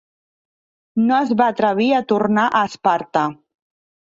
No es va atrevir a tornar a Esparta.